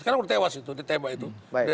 sekarang udah tewas itu ditembak itu